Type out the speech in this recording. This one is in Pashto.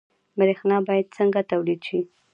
برښنا باید څنګه تولید شي؟